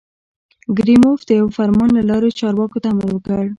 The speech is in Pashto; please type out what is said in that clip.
کریموف د یوه فرمان له لارې چارواکو ته امر وکړ.